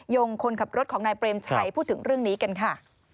ยงคนขับรถของนายเปรมชัยพูดถึงเรื่องนี้กันค่ะ